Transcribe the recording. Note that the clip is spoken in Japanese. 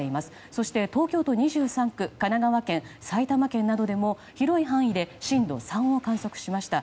そして東京都２３区神奈川県、埼玉県などでも広い範囲で震度３を観測しました。